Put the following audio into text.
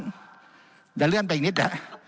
จะเลื่อนไปอีกนิด